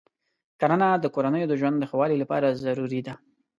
کرنه د کورنیو د ژوند د ښه والي لپاره ضروري ده.